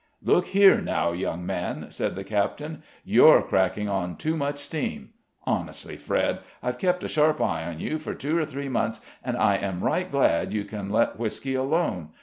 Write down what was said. "Look here, now, young man," said the captain, "you're cracking on too much steam. Honestly, Fred, I've kept a sharp eye on you for two or three months, and I am right glad you can let whisky alone.